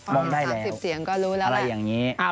พอเห็น๓๐เสียงก็รู้แล้วแหละ